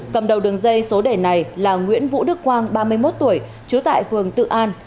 cầm đầu đường dây số đề này là nguyễn vũ đức quang ba mươi một tuổi trú tại phường tự an